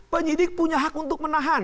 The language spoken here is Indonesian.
penyidik punya hak untuk menahan